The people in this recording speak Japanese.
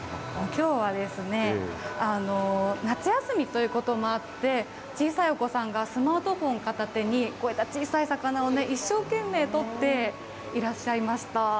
きょうはですね、夏休みということもあって、小さいお子さんがスマートフォン片手に、こういった小さい魚を一生懸命撮っていらっしゃいました。